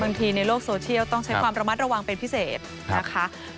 ในโลกโซเชียลต้องใช้ความระมัดระวังเป็นพิเศษนะคะ